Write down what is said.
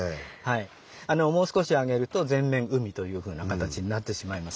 もう少し上げると全面海というふうな形になってしまいます。